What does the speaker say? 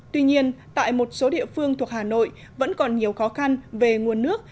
tuy nhiên tại một số địa phương thuộc hà nội vẫn còn nhiều khó khăn về nguồn nước